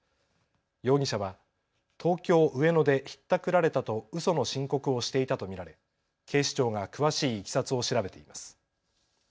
容疑者は東京上野でひったくられたとうその申告をしていたと見られ警視庁が詳しいいきさつを調べています。